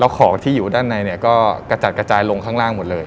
ของที่อยู่ด้านในเนี่ยก็กระจัดกระจายลงข้างล่างหมดเลย